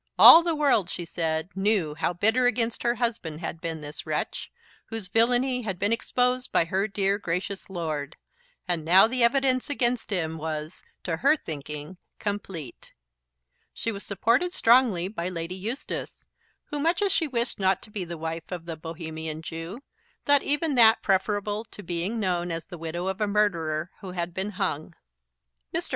All the world, she said, knew how bitter against her husband had been this wretch, whose villainy had been exposed by her dear, gracious lord; and now the evidence against him was, to her thinking, complete. She was supported strongly by Lady Eustace, who, much as she wished not to be the wife of the Bohemian Jew, thought even that preferable to being known as the widow of a murderer who had been hung. Mr.